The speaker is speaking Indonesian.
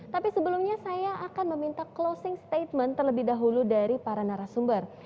tapi sebelumnya saya akan meminta closing statement terlebih dahulu dari para narasumber